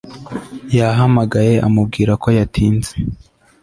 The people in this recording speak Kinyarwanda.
yahamagaye amubwira ko yatinze